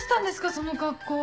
その格好。